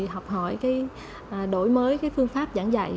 học hỏi cái đổi mới cái phương pháp giảng dạy